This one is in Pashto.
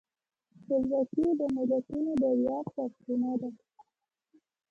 خپلواکي د ملتونو د ویاړ سرچینه ده.